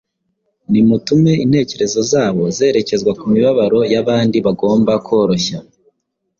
Nimutume intekerezo zabo zerekezwa ku mibabaro y’abandi bagomba koroshya.